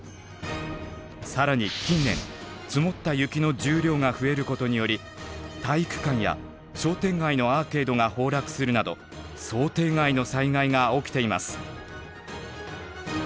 更に近年積もった雪の重量が増えることにより体育館や商店街のアーケードが崩落するなど想定外の災害が起きています。